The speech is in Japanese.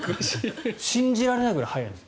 信じられないぐらい速いんです。